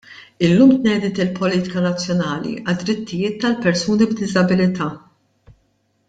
Illum tnediet il-Politika Nazzjonali għad-Drittijiet tal-Persuni b'Diżabilità.